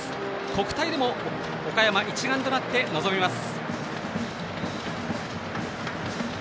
国体でも岡山一丸となって臨みます。